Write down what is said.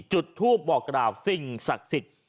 จุดทูปบอกกล่าวสิ่งศักดิ์สิทธิ์